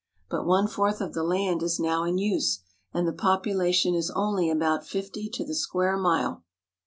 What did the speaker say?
But one fourth of the land is now in use, and the population is only about fifty to the square mile.